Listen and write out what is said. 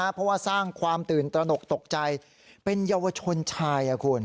เพราะว่าสร้างความตื่นตระหนกตกใจเป็นเยาวชนชายคุณ